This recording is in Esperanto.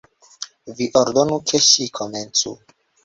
Vi ordonu ke ŝi komencu.